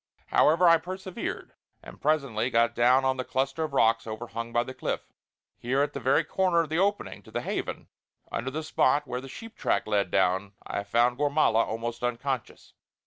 However, I persevered; and presently got down on the cluster of rocks overhung by the cliff. Here, at the very corner of the opening to the Haven, under the spot where the sheep track led down, I found Gormala almost unconscious.